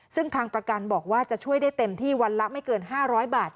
ซึ่งทางประกันบอกว่าจะช่วยได้เต็มที่วันละไม่เกิน๕๐๐บาท